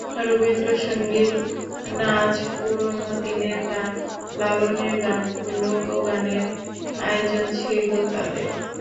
রবীন্দ্রসংগীত, নাচ, পুরোনো দিনের গান, লালনের গান, লোকগানের আয়োজন ছিল তাদের।